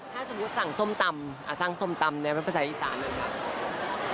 ถ้าสมมุติสั่งส้มตำสั่งส้มตำนี่ไว้ภาษาอีก๓หนึ่งครับ